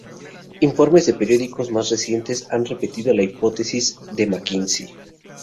Informes de periódicos más recientes han repetido el hipótesis de Mackenzie.